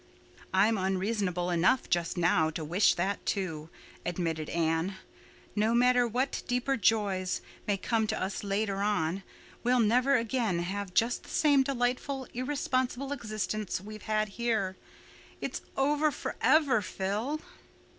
"I'm unreasonable enough just now to wish that, too," admitted Anne. "No matter what deeper joys may come to us later on we'll never again have just the same delightful, irresponsible existence we've had here. It's over forever, Phil."